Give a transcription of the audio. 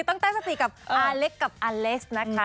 ต้องตั้งสติกับอาเล็กกับอเล็กซ์นะคะ